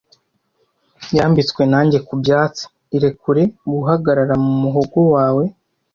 Yambitswe nanjye ku byatsi, irekure guhagarara mu muhogo wawe,